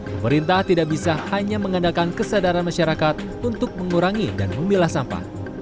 pemerintah tidak bisa hanya mengandalkan kesadaran masyarakat untuk mengurangi dan memilah sampah